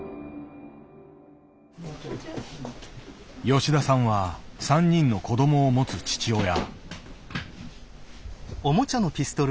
吉田さんは３人の子どもを持つ父親。